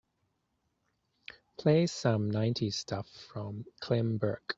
Play some nineties stuff from Clem Burke.